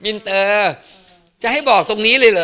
อินเตอร์จะให้บอกตรงนี้เลยเหรอ